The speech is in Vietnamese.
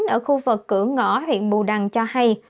ở khu vực cửa ngõ huyện bù đăng cho hay